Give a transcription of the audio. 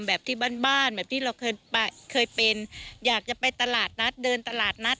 แบบที่บ้านบ้านแบบที่เราเคยเป็นอยากจะไปตลาดนัดเดินตลาดนัด